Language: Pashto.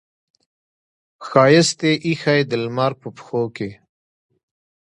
ښایست یې ایښې د لمر په پښو کې